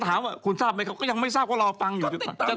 ถามว่าคุณทราบไหมเขาก็ยังไม่ทราบก็รอฟังอยู่